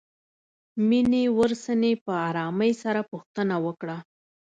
مينې ورڅنې په آرامۍ سره پوښتنه وکړه.